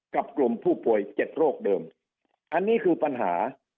กลุ่มผู้ป่วย๗โรคเดิมอันนี้คือปัญหา